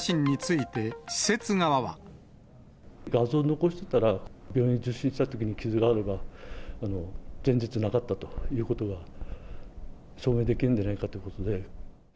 画像を残してたら、病院診察したときに傷があれば、前日なかったということが証明できるんじゃないかということで。